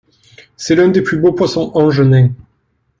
C'est l'un des plus beaux poissons-anges nains.